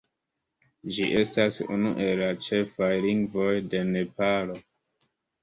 Ĝi estas unu el la ĉefaj lingvoj de Nepalo.